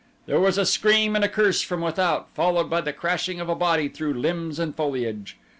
There was a scream and a curse from without, followed by the crashing of a body through limbs and foliage.